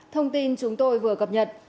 thông tin chúng tôi vừa cập nhật